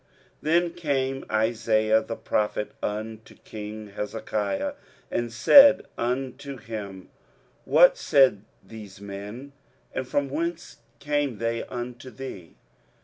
23:039:003 Then came Isaiah the prophet unto king Hezekiah, and said unto him, What said these men? and from whence came they unto thee?